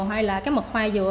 hoặc là cái mật khoai dừa